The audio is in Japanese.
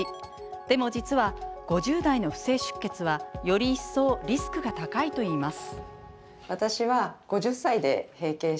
でも実は、５０代の不正出血はより一層リスクが高いといいます。